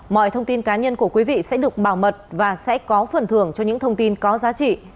mọi thông tin cá nhân của quý vị sẽ được bảo mật và sẽ có phần thưởng cho những thông tin có giá trị